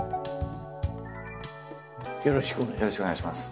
よろしくお願いします。